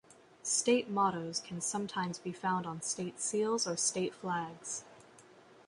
State mottos can sometimes be found on state seals or state flags.